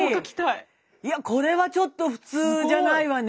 いやこれはちょっと普通じゃないわね。